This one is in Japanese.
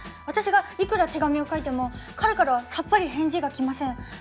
私がいくら手紙を書いても彼からはさっぱり返事が来ません。